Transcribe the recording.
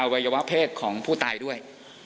วัยวะเพศของผู้ตายด้วย